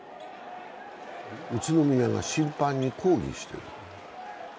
宇都宮が審判に抗議している。